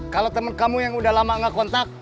kalau temen kamu yang udah lama nggak kontak